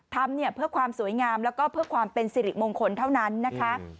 ทำเนี่ยเพื่อความสวยงามแล้วก็เพื่อความเป็นสิริมงคลเท่านั้นนะคะ